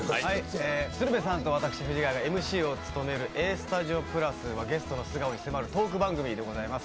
鶴瓶さんと私、藤ヶ谷がＭＣを務める「Ａ−Ｓｔｕｄｉｏ＋」ではゲストの素顔に迫るトーク番組です。